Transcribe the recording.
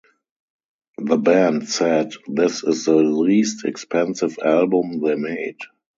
The band said this is the least expensive album they made.